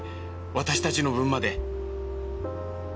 私たちの分まで」。